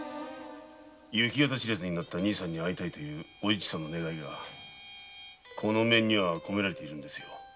行方の知れぬ兄さんに会いたいというおいちさんの願いがこの面には篭められているんですよ。